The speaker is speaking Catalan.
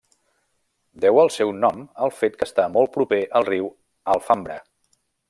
Deu el seu nom al fet que està molt proper al riu Alfambra.